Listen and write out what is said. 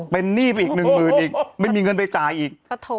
เป็นหนี้ไปอีกหนึ่งหมื่นอีกไม่มีเงินไปจ่ายอีก